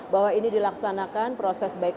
bahwa ini dilaksanakan proses baik